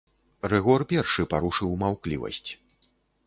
Рыгор першы парушыў маўклівасць.